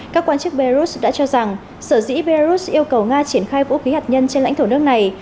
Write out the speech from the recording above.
các quan chức beirut đã cho rằng sở dĩ belarus yêu cầu nga triển khai vũ khí hạt nhân trên lãnh thổ nước này